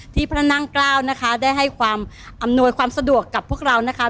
พระนั่งเกล้านะคะได้ให้ความอำนวยความสะดวกกับพวกเรานะคะ